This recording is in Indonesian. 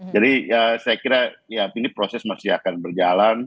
jadi saya kira ya ini proses masih akan berjalan